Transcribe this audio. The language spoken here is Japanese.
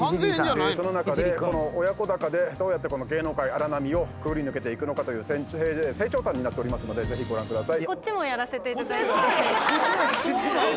その中で親子鷹でどうやって芸能界荒波をくぐり抜けていくのかという成長譚になっておりますのでぜひご覧ください。